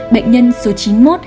bệnh nhân số chín mươi một